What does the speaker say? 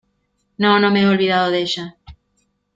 no, no me he olvidado de ella